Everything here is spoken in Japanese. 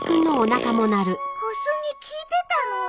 小杉聞いてたの？